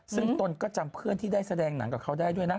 ซึ่งตนก็จำเพื่อนที่ได้แสดงหนังกับเขาได้ด้วยนะ